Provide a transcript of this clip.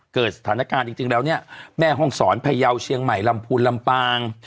เกิดสถานการณ์จริงแล้วเนี่ยแม่ห้องศรพยาวเชียงใหม่ลำพูนลำปาง